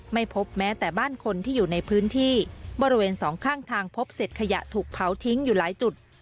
ไม่พบแม้แต่บ้านคนที่อยู่ในพื้นที่บริเวณสองข้างทางพบเสร็จขยะถูกเผาทิ้งอยู่หลายจุด